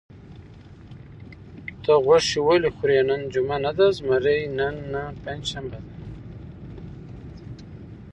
ته غوښې ولې خورې؟ نن جمعه نه ده؟ زمري: نه، نن پنجشنبه ده.